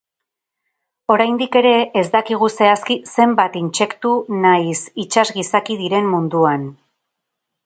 Oraindik ere ez dakigu zehazki zenbat intsektu nahiz itsas izaki diren munduan.